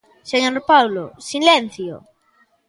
Señor Paulo, silencio.